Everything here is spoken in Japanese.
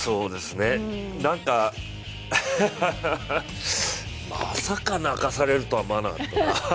なんかまさか泣かされるとは思わなかったな。